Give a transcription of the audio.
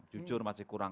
jujur masih kurang